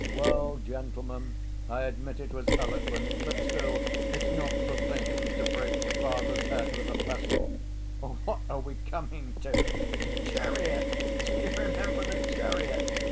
"Well, gentlemen, I admit it was eloquent. But still it's not the thing to break your father's head with a pestle! Or what are we coming to?" "The chariot! Do you remember the chariot?"